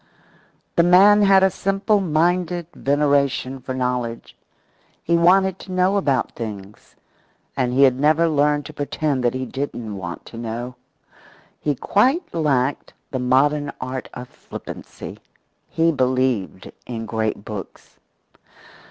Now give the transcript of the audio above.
The man had a simple minded veneration for knowledge. He wanted to know about things. And he had never learned to pretend that he didn't want to know. He quite lacked the modern art of flippancy. He believed in great books.